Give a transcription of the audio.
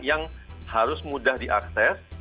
yang harus mudah diakses